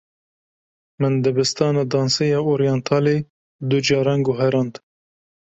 Min dibistana dansê ya oryentalê du caran guherand.